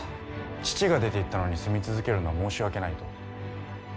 父が出ていったのに住み続けるのは申し訳ないと。